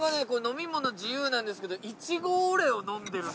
これ飲み物自由なんですけど。